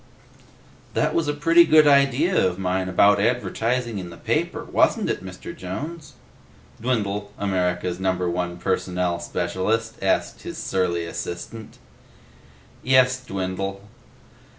"That was a pretty good idea of mine, about advertising in the paper, wasn't it, Mr. Jones?" Dwindle, America's Number One Personnel Specialist, asked his surly assistant. "Yes, Dwindle."